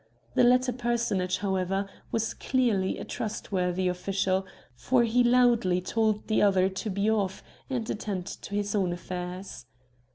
The latter personage, however, was clearly a trustworthy official, for he loudly told the other to be off and attend to his own affairs.